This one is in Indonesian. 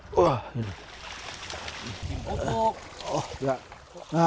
pupuk kimia yang digunakan untuk mengatasi enceng gondok